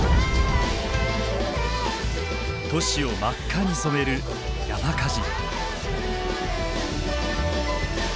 都市を真っ赤に染める山火事。